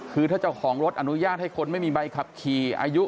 คือถ้าเจ้าของรถอนุญาตให้คนไม่มีใบขับขี่อายุ